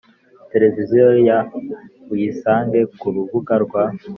Televiziyo ya uyisanga ku rubuga rwa